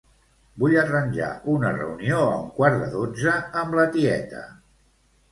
Vull arranjar una reunió a un quart de dotze amb la tieta.